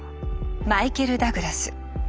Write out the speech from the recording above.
マイケル・ダグラス。